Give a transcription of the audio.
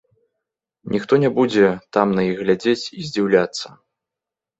Ніхто не будзе там на іх глядзець і здзіўляцца.